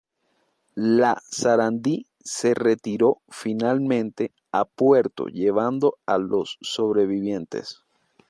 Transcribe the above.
La "Sarandí" se retiró finalmente a puerto llevando a los sobrevivientes.